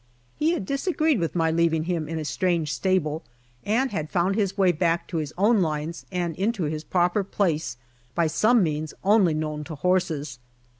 He had disagreed with my leaving him in a strange stable and had found his way back to his own lines and into his proper place by some means only known to horses.